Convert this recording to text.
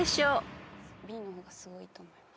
Ｂの方がすごいと思います。